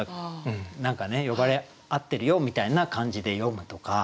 何かね呼ばれ合ってるよみたいな感じで詠むとか。